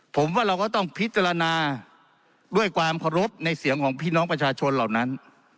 ผมว่าเราก็ต้องพิจารณาด้วยความเคารพในเสียงของพี่น้องประชาชนเหล่านั้น